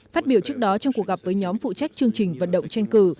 phát biểu trước đó trong cuộc gặp với nhóm phụ trách chương trình vận động tranh cử